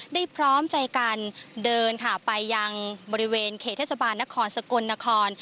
พร้อมใจกันเดินค่ะไปยังบริเวณเขตเทศบาลนครสกลนคร